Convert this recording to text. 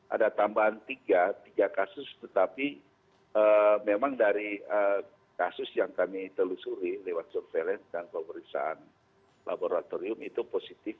ada tambahan tiga tiga kasus tetapi memang dari kasus yang kami telusuri lewat surveillance dan pemeriksaan laboratorium itu positif